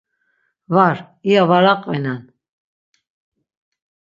Var, iya var aqvinen.